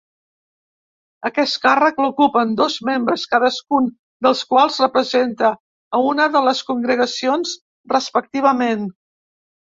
Aquest càrrec l'ocupen dos membres, cadascun dels quals representa a una de les congregacions respectivament.